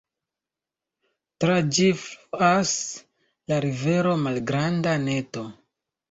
Tra ĝi fluas la rivero Malgranda Neto.